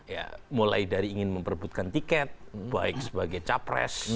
ya mulai dari ingin memperbutkan tiket baik sebagai capres